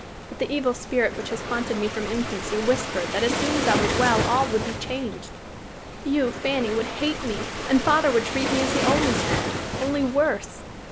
But the evil spirit which has haunted me from infancy whispered that as soon as I was well all would be changed. You, Fanny, would hate me, and father would treat me as he always had, only worse."